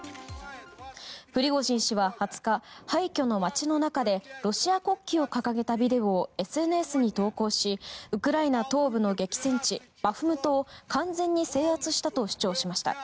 プリゴジン氏は２０日廃墟の街の中でロシア国旗を掲げたビデオをＳＮＳに投稿しウクライナ東部の激戦地バフムトを完全に制圧したと主張しました。